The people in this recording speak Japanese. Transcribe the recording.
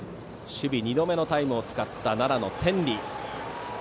守備の２度目のタイムを使った奈良・天理。